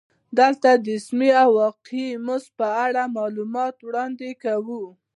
دلته د اسمي او واقعي مزد په اړه معلومات وړاندې کوو